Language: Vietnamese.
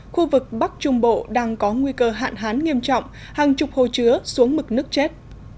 khu vực bắc trung bộ đang có nguy cơ hạn hán nghiêm trọng hàng chục hồ chứa xuống mực nước chết